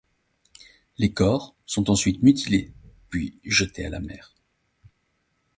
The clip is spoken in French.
Les corps sont ensuite mutilés puis jetés à la mer.